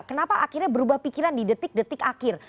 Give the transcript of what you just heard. kenapa akhirnya berubah pikiran di detik detik akhir